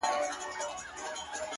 گراني په تاڅه وسول ولي ولاړې !!